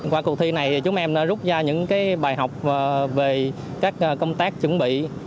qua cuộc thi này chúng em đã rút ra những bài học về các công tác chuẩn bị